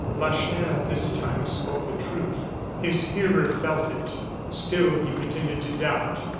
Lacheneur, this time, spoke the truth. His hearer felt it; still he pretended to doubt.